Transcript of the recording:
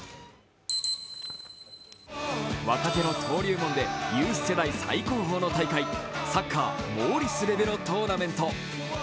若手の登竜門でユース世代最高峰の大会サッカーモーリスレベロトーナメント。